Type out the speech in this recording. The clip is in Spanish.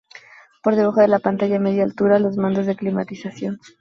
Por debajo de la pantalla a media altura los mandos de climatización.